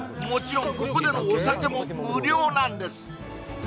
もちろんここでのお酒も無料なんです